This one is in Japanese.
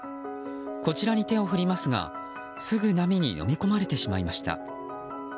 こちらに手を振りますがすぐ波にのみ込まれてしまいました。